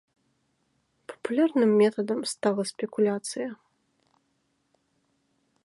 Папулярным метадам стала спекуляцыя.